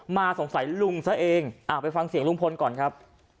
มาสงสัยลุงซะเองไปฟังเสียงลุงพลก่อนครับ